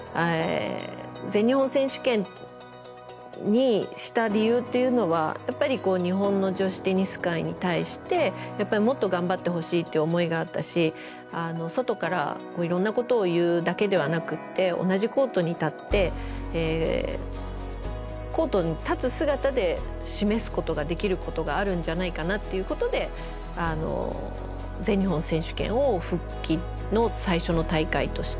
全日本選手権にした理由というのはやっぱり日本の女子テニス界に対してもっと頑張ってほしいっていう思いがあったし外からいろんなことを言うだけではなくって同じコートに立ってコートに立つ姿で示すことができることがあるんじゃないかなっていうことで全日本選手権を復帰の最初の大会として選んだんですけれども。